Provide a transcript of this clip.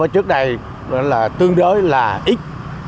trước đây là tương đối là ít